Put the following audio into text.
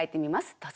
どうぞ。